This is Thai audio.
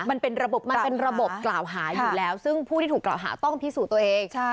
มันเป็นระบบมันเป็นระบบกล่าวหาอยู่แล้วซึ่งผู้ที่ถูกกล่าวหาต้องพิสูจน์ตัวเอง